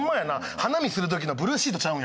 花見する時のブルーシートちゃうんやから。